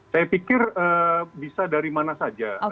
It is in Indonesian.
saya pikir bisa dari mana saja